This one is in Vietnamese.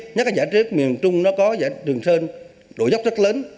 nhất là giải truyết miền trung nó có giải truyền sơn độ dốc rất lớn